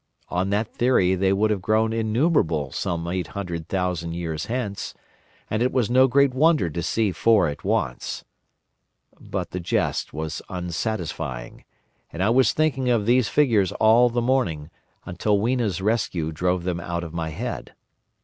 On that theory they would have grown innumerable some Eight Hundred Thousand Years hence, and it was no great wonder to see four at once. But the jest was unsatisfying, and I was thinking of these figures all the morning, until Weena's rescue drove them out of my head.